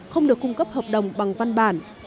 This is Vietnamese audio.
không được cung cấp hợp đồng bằng văn bản